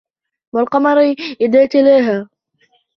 والقمر إذا تلاها